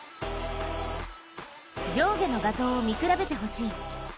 上下の画像を見比べてほしい。